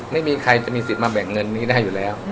ไม่มีใครจะมีสิทธิ์มาแบ่งเงินนี้ได้อยู่แล้ว